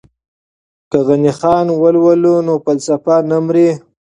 که غني خان ولولو نو فلسفه نه مري.